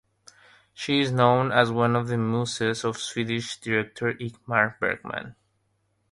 She is known as one of the "muses" of Swedish director Ingmar Bergman.